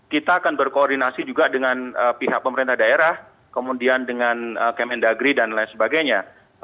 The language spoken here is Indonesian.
kita akan berkoordinasi juga dengan pihak pemerintah daerah kemudian dengan kemendagri dan lain sebagainya